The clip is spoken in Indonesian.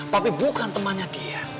papi bukan temannya dia